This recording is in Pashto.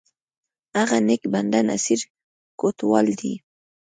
هغه نیک بنده، نصیر کوټوال دی!